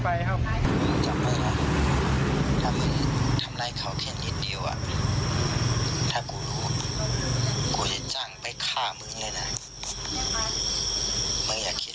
ผมยังไม่ไปครับ